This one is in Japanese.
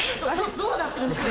どうなってるんですか？